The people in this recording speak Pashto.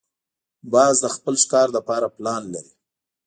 باز د خپل ښکار لپاره پلان لري